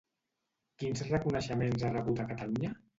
Quins reconeixements ha rebut a Catalunya?